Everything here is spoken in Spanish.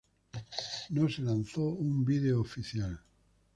No se lanzó un video oficial.